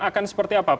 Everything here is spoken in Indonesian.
akan seperti apa